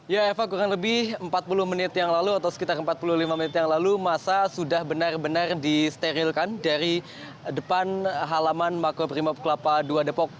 ya eva kurang lebih empat puluh menit yang lalu atau sekitar empat puluh lima menit yang lalu masa sudah benar benar disterilkan dari depan halaman makobrimob kelapa dua depok